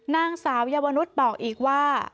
นางสาวเยาวนุษย์บอกอีกว่า